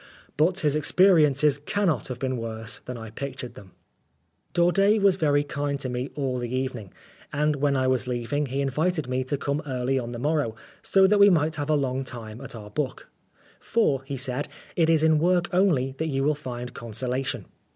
But his experiences cannot have been worse than I pictured them. 193 13 Oscar Wilde Daudet was very kind to me all the even ing ; and when I was leaving, he invited me to come early on the morrow, so that we might have a long time at our book ;" For," he said, " it is in work only that you will find consolation."